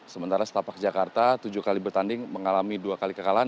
sementara setapak jakarta tujuh kali bertanding mengalami dua kali kekalahan